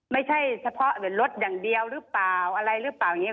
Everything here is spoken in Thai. ไม่ใช่เฉพาะหรือรถอย่างเดียวหรือเปล่าอะไรหรือเปล่าอย่างนี้